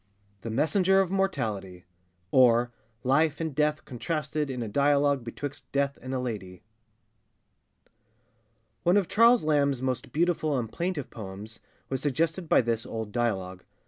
THE MESSENGER OF MORTALITY; OR LIFE AND DEATH CONTRASTED IN A DIALOGUE BETWIXT DEATH AND A LADY. [ONE of Charles Lamb's most beautiful and plaintive poems was suggested by this old dialogue.